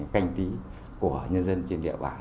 cành tí của nhân dân trên địa bàn